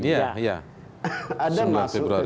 ada masuk ke kpu provinsi sumatera utara